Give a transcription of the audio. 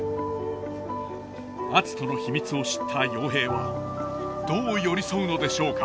篤人の秘密を知った陽平はどう寄り添うのでしょうか。